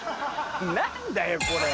何だよこれ。